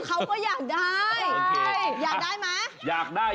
เขาก็อยากได้อยากได้ไหม